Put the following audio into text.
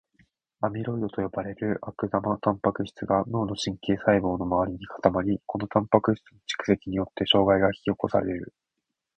アミロイドと呼ばれる悪玉タンパク質が脳の神経細胞の周りに固まり、このタンパク質の蓄積によって障害が引き起こされる。